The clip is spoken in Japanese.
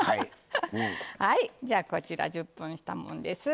じゃあこちら１０分したもんです。